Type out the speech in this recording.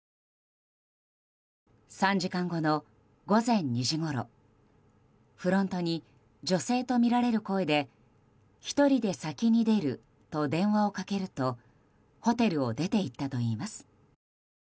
３時間後の午前２時ごろフロントに、女性とみられる声で１人で先に出ると電話をかけるとホテルを出ていったといいます。